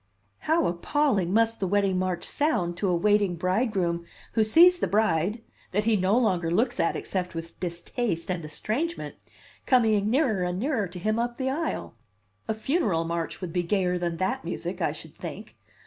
How appalling must the wedding march sound to a waiting bridegroom who sees the bride, that he no longer looks at except with distaste and estrangement, coming nearer and nearer to him up the aisle! A funeral march would be gayer than that music, I should think!